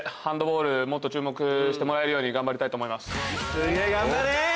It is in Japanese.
すげぇ頑張れ！